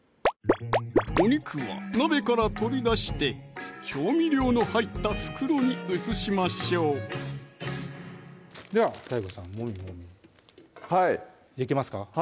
お肉は鍋から取り出して調味料の入った袋に移しましょうではＤＡＩＧＯさんもみもみはいできますか？